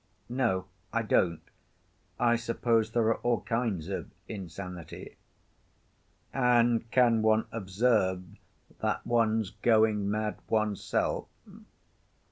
"No, I don't. I suppose there are all kinds of insanity." "And can one observe that one's going mad oneself?"